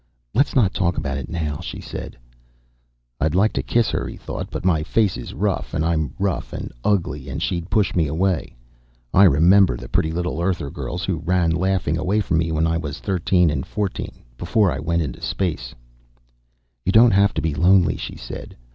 "Let's not talk about it now," she said. I'd like to kiss her, he thought. But my face is rough, and I'm rough and ugly, and she'd push me away. I remember the pretty little Earther girls who ran laughing away from me when I was thirteen and fourteen, before I went to space. "You don't have to be lonely," she said.